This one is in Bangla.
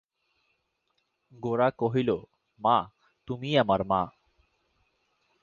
গোরা কহিল, মা, তুমিই আমার মা।